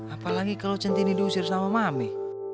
apalagi kalau cinti ini diusir sama mami